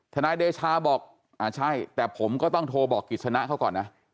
นายเดชาบอกอ่าใช่แต่ผมก็ต้องโทรบอกกิจสนะเขาก่อนนะ